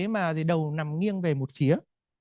mà thì đầu nằm nghiêng về một phía